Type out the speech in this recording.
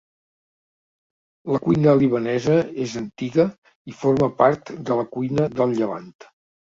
La cuina libanesa és antiga i forma part de la cuina del Llevant.